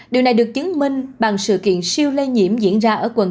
điều này được chứng minh bằng sự kiện siêu lây nhiễm diễn ra ở quận tám